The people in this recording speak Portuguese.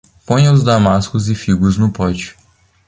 Ponha os damascos e figos no pote